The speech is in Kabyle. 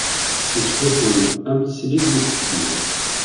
Tezxuxem am teslit mi d-kecmen.